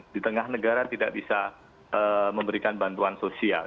di tengah negara tidak bisa memberikan bantuan sosial